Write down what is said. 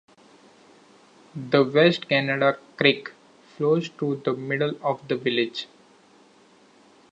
The West Canada Creek flows through the middle of the village.